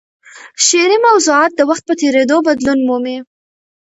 شعري موضوعات د وخت په تېرېدو بدلون مومي.